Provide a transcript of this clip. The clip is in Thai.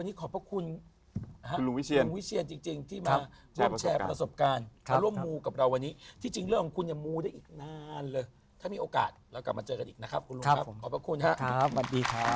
ลุงวิเชียนงุวิเชียนจริงที่มาแชร์เอาประสบการณ์